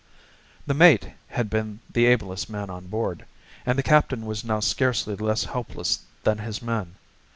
The mate had been the ablest man on board, and the captain was now scarcely less helpless than his men.